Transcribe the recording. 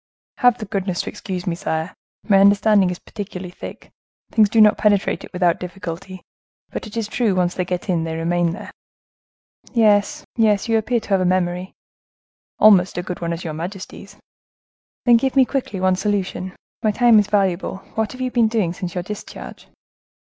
"Have the goodness to excuse me, sire; my understanding is particularly thick; things do not penetrate it without difficulty; but it is true, once they get in, they remain there." "Yes, yes; you appear to have a memory." "Almost as good a one as your majesty's." "Then give me quickly one solution. My time is valuable. What have you been doing since your discharge?"